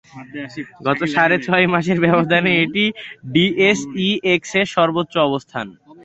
গত সাড়ে ছয় মাসের ব্যবধানে এটিই ডিএসইএক্সের সর্বোচ্চ অবস্থান।